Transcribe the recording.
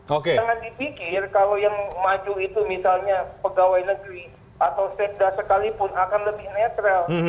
jangan dipikir kalau yang maju itu misalnya pegawai negeri atau sekda sekalipun akan lebih netral